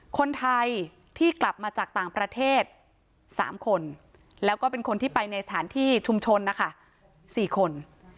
คนไทยที่กลับมาจากต่างประเทศ๓คนแล้วก็เป็นคนที่ไปในสถานที่ชุมชนนะคะ๔คน